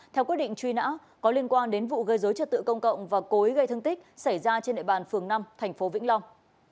theo quyết định truy nã có liên quan đến vụ gây dối trật tự công cộng và cối gây thương tích xảy ra trên nệ bàn phường năm thành phố vĩnh long